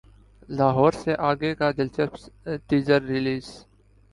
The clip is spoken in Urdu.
لاہور سے اگے کا دلچسپ ٹیزر ریلیز